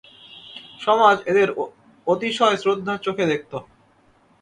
সমাজ এঁদের অতিশয় শ্রদ্ধার চক্ষে দেখত।